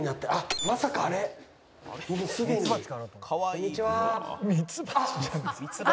こんにちは。